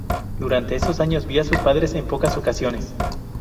Durante esos años, vio a sus padres en pocas ocasiones.